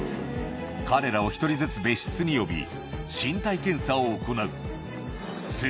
彼らを１人ずつ別室に呼び、身体検査を行う。